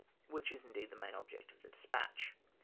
wliich is indeed the main object of the despatch.